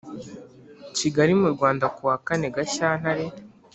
Kigali mu Rwanda kuwa kane Gashyantare